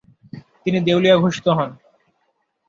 তিনি দেউলিয়া ঘোষিত হন।